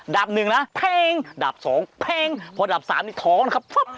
ับหนึ่งนะเพลงดับสองเพลงพอดับสามนี่ท้องนะครับ